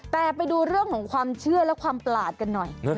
แต่ไปดูเรื่องของความเชื่อและความประหลาดกันหน่อย